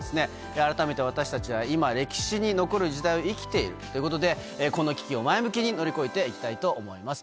改めて私たちは、今歴史に残る時代を生きているということで、この危機を前向きに乗り越えていきたいと思います。